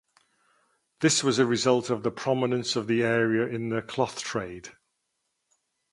This was a result of the prominence of the area in the cloth trade.